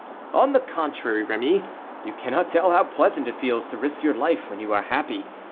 "On the contrary, Rémy, you cannot tell how pleasant it feels to risk your life when you are happy.